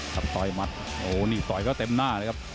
ต่อยมัดโอ้โหนี่ต่อยเขาเต็มหน้าเลยครับ